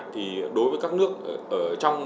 thì đối với các nước trong